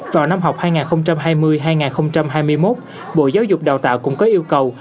cho năm học hai nghìn hai mươi hai nghìn hai mươi một bộ giáo dục đào tạo cũng có yêu cầu